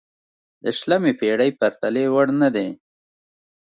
د شلمې پېړۍ پرتلې وړ نه دی.